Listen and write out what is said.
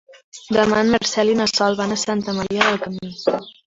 Demà en Marcel i na Sol van a Santa Maria del Camí.